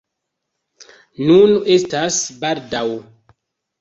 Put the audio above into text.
Nun estas baldaŭ!